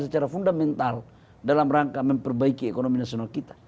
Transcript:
secara fundamental dalam rangka memperbaiki ekonomi nasional kita